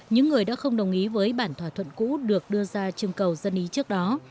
những người đã không đồng ý với bản thỏa thuận cũ được đưa ra chương cầu dân ý trước đó